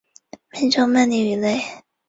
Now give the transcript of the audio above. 美洲鳗鲡鱼类。